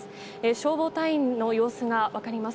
消防隊員の様子が分かります。